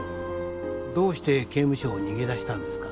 どうして刑務所を逃げ出したんですか？